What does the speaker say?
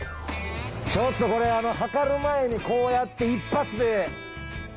ちょっとこれ量る前にこうやって。